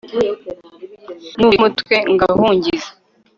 nubika umutwe ngahungyiza